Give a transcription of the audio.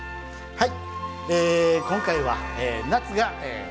はい。